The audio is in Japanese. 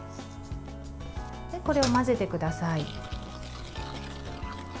これを混ぜてください。